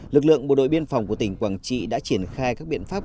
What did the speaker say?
lực lượng bộ đội biên phòng của tỉnh quảng trị đã triển khai các biện pháp